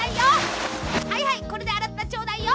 はいはいこれであらってちょうだいよ。